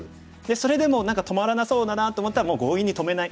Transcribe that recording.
それでも何か止まらなそうだなと思ったらもう強引に止めない。